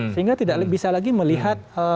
sehingga tidak bisa lagi melihat